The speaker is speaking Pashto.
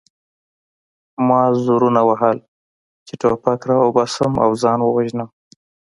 ما زورونه وهل چې ټوپک راوباسم او ځان ووژنم